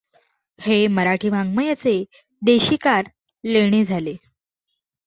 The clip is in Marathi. हे मराठी वाङ्मयाचे देशीकार लेणे झाले.